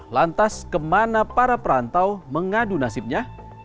lantas kemana para perantau mengadu nasibnya